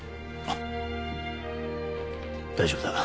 大丈夫だ。